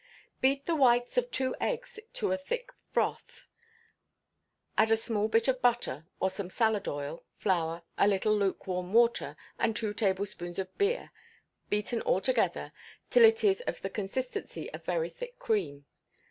Beat the whites of two eggs to a thick froth; add a small bit of butter, or some salad oil, flour, a little lukewarm water, and two tablespoonfuls of beer, beaten altogether till it is of the consistency of very thick cream.